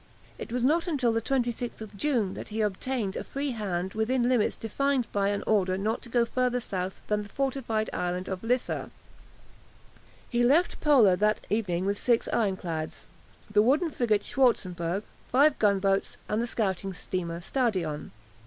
It was not till 26 June that he obtained a free hand within limits defined by an order not to go further south than the fortified island of Lissa. He left Pola that evening with six ironclads, the wooden frigate "Schwarzenberg," five gunboats, and the scouting steamer "Stadion."